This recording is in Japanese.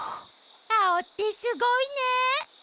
アオってすごいね。